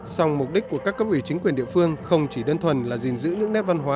song mục đích của các cấp ủy chính quyền địa phương không chỉ đơn thuần là gìn giữ những nét văn hóa